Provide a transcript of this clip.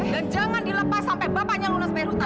dan jangan dilepas sampai bapaknya lunas bayar hutang